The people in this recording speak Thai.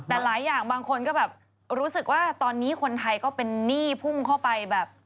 แต่หลายอย่างบางคนก็แบบรู้สึกว่าตอนนี้คนไทยก็เป็นหนี้พุ่งเข้าไปแบบ